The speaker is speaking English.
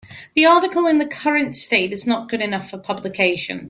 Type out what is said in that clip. The article in the current state is not good enough for publication.